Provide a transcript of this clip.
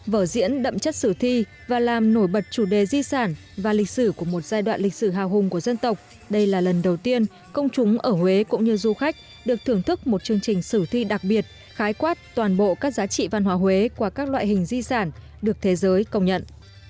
vở diễn đậm chất sử thi và làm nổi bật chủ đề di sản và lịch sử của một giai đoạn lịch sử hào hùng của dân tộc đây là lần đầu tiên công chúng ở huế cũng như du khách được thưởng thức một chương trình sử thi đặc biệt khái quát toàn bộ các giá trị văn hóa huế qua các loại hình di sản được thế giới công nhận